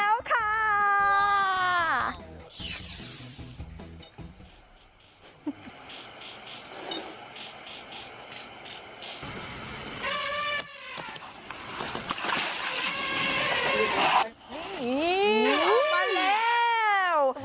โอ้มาแล้ว